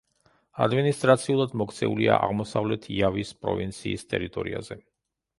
ადმინისტრაციულად მოქცეულია აღმოსავლეთ იავის პროვინციის ტერიტორიაზე.